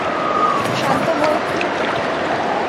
শান্ত হ একটু?